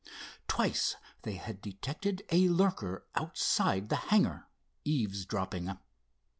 Twice they had detected a lurker outside the hangar, eavesdropping.